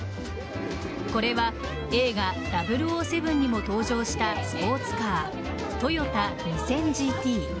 これは映画「００７」にも登場したスポーツカートヨタ２０００ＧＴ。